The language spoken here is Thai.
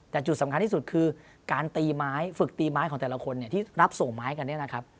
แต่จุดสำคัญที่สุดคือการปะกะตายไม้ฝึกปะกะตายของแต่ละคนที่รับส่งไม้กัน